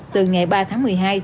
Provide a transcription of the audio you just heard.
từ ngày ba tháng một mươi hai